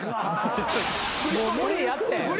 もう無理やって。